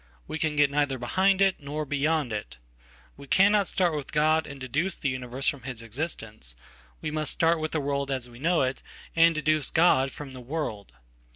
We can getneither behind it nor beyond it. We cannot start with God anddeduce the universe from his existence; we must start with theworld as we know it, and deduce God from the world.